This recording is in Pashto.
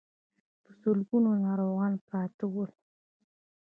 په سلګونو ناروغان پراته ول.